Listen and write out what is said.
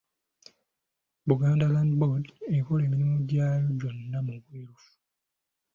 Buganda Land Board ekola emirimu gyayo gyonna mu bwerufu.